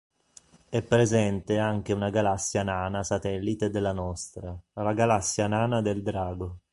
È presente anche una galassia nana satellite della nostra, la Galassia Nana del Drago.